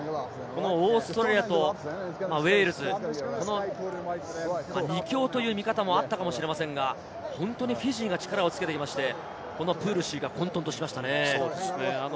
オーストラリアとウェールズ、２強という見方もあったかもしれませんが、本当にフィジーが力をつけていて、このプールＣが混沌としましたね。